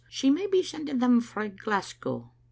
She may be sending them frae Glasgow."